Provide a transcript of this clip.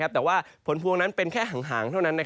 แต่ว่าผลพวงนั้นเป็นแค่หางเท่านั้น